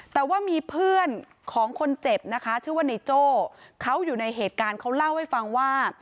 แต่ว่ามีเพื่อนของคนเจ็บนะคะชื่อว่าในโจ้เขาอยู่ในเหตุการณ์เขาเล่าให้ฟังว่า